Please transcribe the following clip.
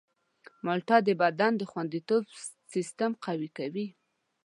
مالټه د بدن د خوندیتوب سیستم قوي کوي.